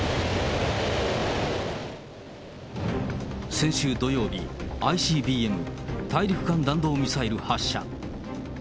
先週土曜日、ＩＣＢＭ・大陸間弾道ミサイル発射。